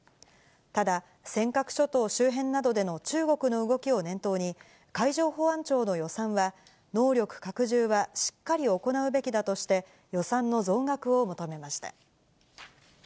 ただ、尖閣諸島周辺などでの中国の動きを念頭に、海上保安庁の予算は、能力拡充はしっかり行うべきだとして、予算の増額を求めました。